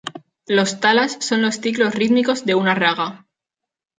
Los "talas" son los ciclos rítmicos de una raga.